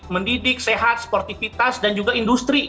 mendidik sehat sportivitas dan juga industri